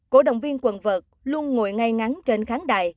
cổ động viên quần vật luôn ngồi ngay ngắn trên kháng đài